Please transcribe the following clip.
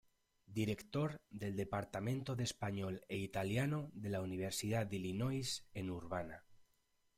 Director del departamento de español e italiano de la Universidad de Illinois en Urbana.